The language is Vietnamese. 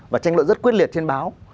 và tranh luận rất quyết liệt trên báo